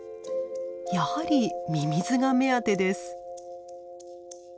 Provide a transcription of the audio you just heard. やはりミミズが目当てです。